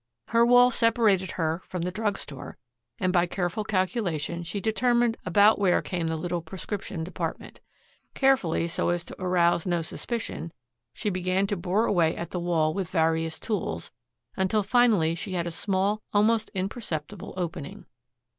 Her wall separated her from the drug store and by careful calculation she determined about where came the little prescription department. Carefully, so as to arouse no suspicion, she began to bore away at the wall with various tools, until finally she had a small, almost imperceptible opening.